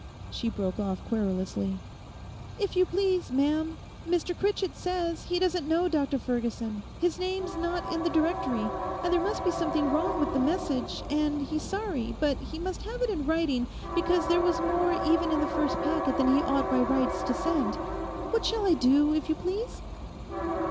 she broke off querulously. 'If you please, ma'am, Mr Critchett says he doesn't know Dr Ferguson, his name's not in the Directory, and there must be something wrong with the message, and he's sorry, but he must have it in writing because there was more even in the first packet than he ought by rights to send. What shall I do, if you please?